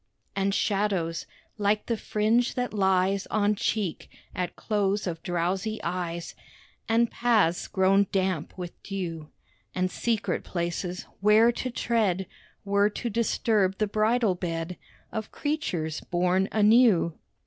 And shadows ... like the fringe that lies On cheek, at close of drowsy eyes, And paths, grown damp with dew; And secret places, where to tread Were to disturb the bridal bed Of creatures born anew.